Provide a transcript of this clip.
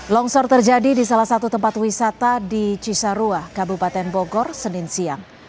longsor terjadi di salah satu tempat wisata di cisarua kabupaten bogor senin siang